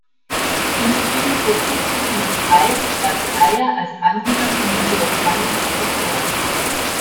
Im Synkretistischen Streit trat Dreier als Anhänger von Georg Calixt hervor.